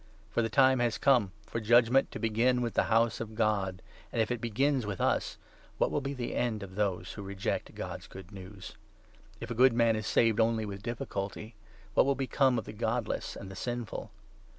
For the time has come for judgement to begin 17 with the House of God ; and, if it begins with us, what will be the end of those who reject God's Good News ? If ' a good 18 man is saved only with difficulty, what will become of the godless and the sinful